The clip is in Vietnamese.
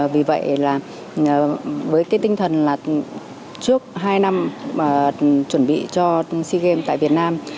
vì vậy là với cái tinh thần là trước hai năm mà chuẩn bị cho sea games tại việt nam